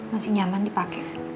masih nyaman dipake